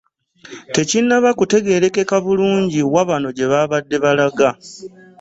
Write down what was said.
Tekinnaba kutegeerekeka bulungi wa bano gye baabadde balaga.